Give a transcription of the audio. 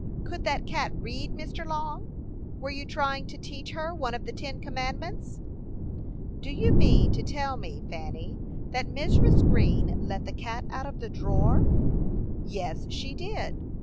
Could that cat read, Mr. Long? Were you trying to teach her one of the ten commandments?" "Do you mean to tell me, Fanny, that Mrs. Green let the cat out of the drawer?" "Yes, she did.